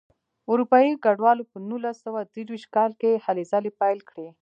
اروپایي کډوالو په نولس سوه درویشت کال کې هلې ځلې پیل کړې.